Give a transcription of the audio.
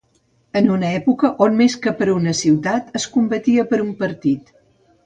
en una època on més que per una ciutat es combatia per un partit